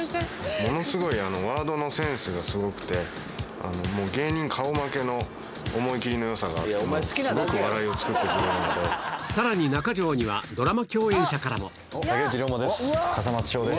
ものすごいワードのセンスがすごくて、もう芸人顔負けの思い切りのよさがあって、すごく笑いを作ってくさらに中条には、竹内涼真です。